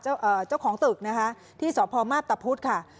เจ้าของตึกนะคะที่สพมาพตะพุธค่ะ